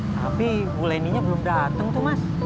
tapi bu leninya belum datang tuh mas